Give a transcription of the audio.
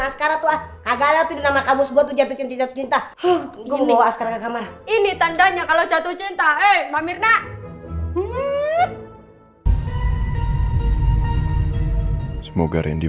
ya secepat pak al meminta saya untuk menyewa motor ini